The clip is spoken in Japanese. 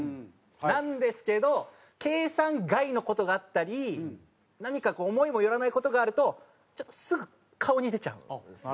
なんですけど計算外の事があったり何かこう思いもよらない事があるとちょっとすぐ顔に出ちゃうんですよ。